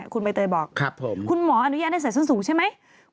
คุณใบเตยบอกคุณหมออนุญาตให้ใส่ส้นสูงใช่ไหม